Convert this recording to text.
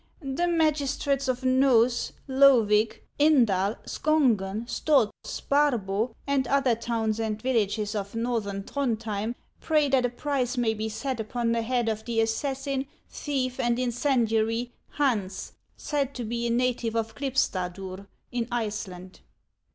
The magistrates of Noes, Loevig, Indal, Skongen, Stod, Sparbo, and other towns and villages of Xorth ern Throudhjern, pray that a price may be set upon the head of the assassin, thief, and incendiary, Hans, said to be a native of Klipstadur, in Iceland.